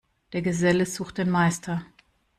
Der Geselle sucht den Meister.